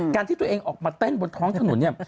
ที่ตัวเองออกมาเต้นบนท้องถนนเนี่ย